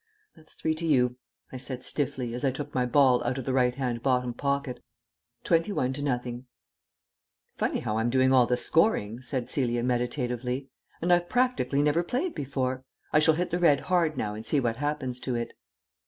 "That's three to you," I said stiffly, as I took my ball out of the right hand bottom pocket. "Twenty one to nothing." "Funny how I'm doing all the scoring," said Celia meditatively. "And I've practically never played before. I shall hit the red hard now and see what happens to it."